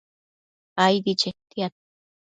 aidi chetiad